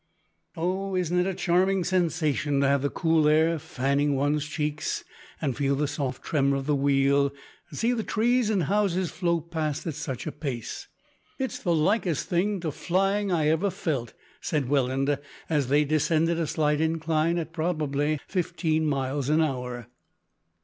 "Oh! isn't it a charming sensation to have the cool air fanning one's cheeks, and feel the soft tremor of the wheel, and see the trees and houses flow past at such a pace? It is the likest thing to flying I ever felt," said Welland, as they descended a slight incline at, probably, fifteen miles an hour.